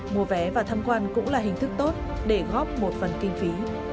mua vé và thăm quan cũng là hình thức tốt để góp một phần kinh phí